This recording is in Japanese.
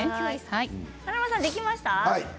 華丸さん、できました？